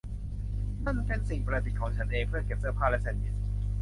มันเป็นสิ่งประดิษฐ์ของฉันเอง เพื่อเก็บเสื้อผ้าและแซนด์วิช